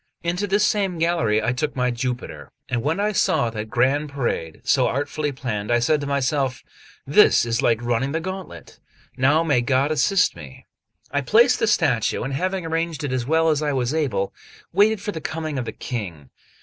Into this same gallery I took my Jupiter; and when I saw that grand parade, so artfully planned, I said to myself: "This is like running the gauntlet; now may God assist me." I placed the statue, and having arranged it as well as I was able, waited for the coming of the King.